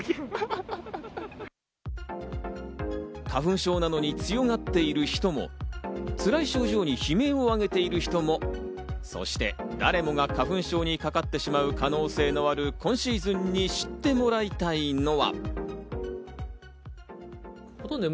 花粉症なのに強がっている人も、つらい症状に悲鳴を上げている人も、そして誰もが花粉症にかかってしまう可能性のある今シーズンに知ってもらいたいのは。